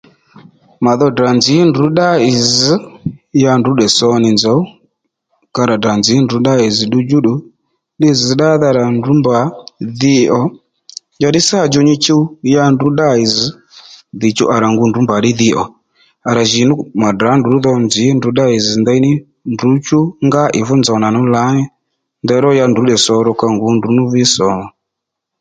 Mà dho tdrà nzǐ ndrǔ ddá ì zz̀ ya ndrǔ tdè sǒ nì nzòw ka rà tdrà nzǐ ndrǔ dda ì zz̀ ddudjú ddù li zz̀ ddádha rà ndrǔ mbà dhi ò njàddí sǎ djò nyi chuw ya ndrǔ ddâ ì zz̀ dìchú à rà ngu ndrǔ mbà ddí dhi ò à rà jì ní ndrǔ dhò nzǐ ndrǔ ddá ì zz̀ ndeyní ndrǔ chú ngá ì fú nzòw nà nú lǎní ndeyró ya ndrǔ nì sǒ ro ka ngǔ ndrǔ nú ví sòmù ò